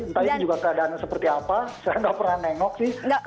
entah itu juga keadaan seperti apa saya nggak pernah nengok sih